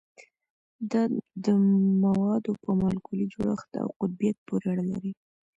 دا د موادو په مالیکولي جوړښت او قطبیت پورې اړه لري